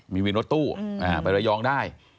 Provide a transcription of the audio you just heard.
มีวินรถตู้ไประยองได้